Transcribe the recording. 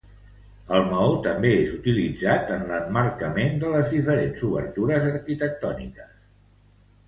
El maó també és utilitzat en l'emmarcament de les diferents obertures arquitectòniques.